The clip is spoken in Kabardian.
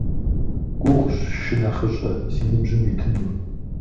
Гугъущ, шынэхъыщӀэ, си ныбжьым уитыну.